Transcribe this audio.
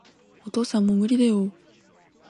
お父さん、もう無理だよ